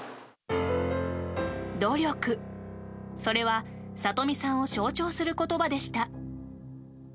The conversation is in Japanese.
それは里見さんを象徴する言葉でした。